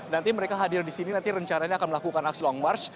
nanti mereka hadir di sini nanti rencananya akan melakukan aksi long march